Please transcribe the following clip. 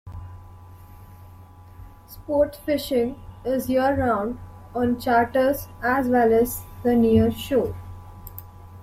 Sport fishing is year-round on charters as well as the nearshore.